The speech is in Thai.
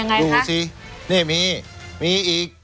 ดูสินี่มีมีอีก